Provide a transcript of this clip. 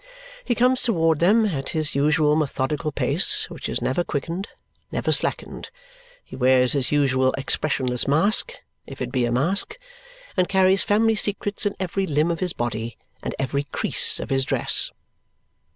He comes towards them at his usual methodical pace, which is never quickened, never slackened. He wears his usual expressionless mask if it be a mask and carries family secrets in every limb of his body and every crease of his dress.